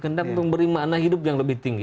kehendak untuk berimana hidup yang lebih tinggi